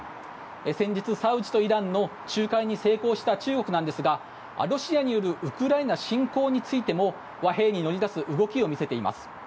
先日、サウジとイランの仲介に成功した中国なんですがロシアによるウクライナ侵攻についても和平に乗り出す動きを見せています。